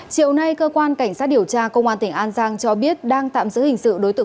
chiều nay cơ quan cảnh sát điều tra công an tỉnh an giang cho biết đang tạm giữ hình sự đối tượng